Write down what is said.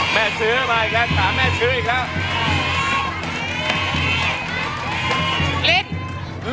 แม่ซื้อมาอีกแล้วถามแม่ซื้ออีกแล้ว